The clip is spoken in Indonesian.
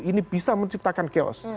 ini bisa menciptakan chaos